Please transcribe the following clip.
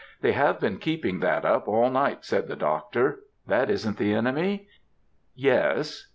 "They have been keeping that up all night," said the Doctor. "That isn't the enemy?" "Yes."